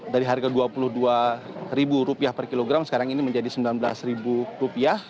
dari harga dua puluh dua rupiah per kilogram sekarang ini menjadi sembilan belas rupiah